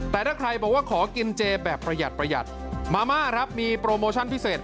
แต่ถ้าใครบอกว่าขอกินเจแบบประหยัดประหยัดมาม่าครับมีโปรโมชั่นพิเศษ